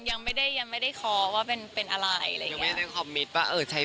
ยังค่ะยังไม่มี